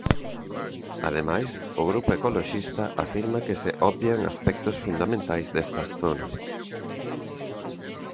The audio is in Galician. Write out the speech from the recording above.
Ademais, o grupo ecoloxista afirma que se "obvian" aspectos fundamentais destas zonas.